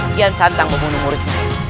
kian santang membunuh muridku